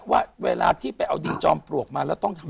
ว่าเวลาที่ไปเอาดินจอมปลวกมาแล้วต้องทำ